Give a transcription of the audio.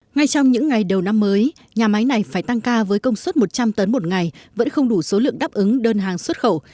ngay trong những ngày đầu năm mới nhà máy này phải tăng ca với công suất một trăm linh tấn một ngày vẫn không đủ số lượng đáp ứng đơn hàng xuất khẩu